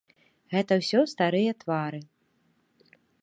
Гэта ўсё старыя твары.